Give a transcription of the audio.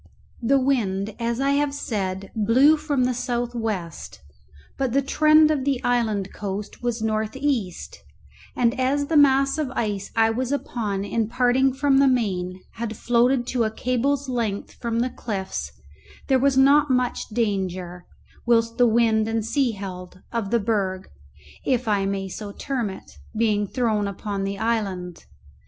The wind, as I have said, blew from the south west, but the trend of the island coast was north east and as the mass of ice I was upon in parting from the main had floated to a cable's length from the cliffs, there was not much danger, whilst the wind and sea held, of the berg (if I may so term it) being thrown upon the island.